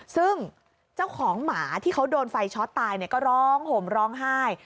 ซึ่งเจ้าของหมาที่เขาโดนไฟช็อตตายก็ร้องห่มร้องไห้